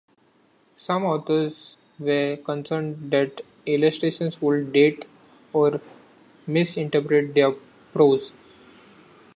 Some authors were concerned that illustrations would date or misinterpret their prose.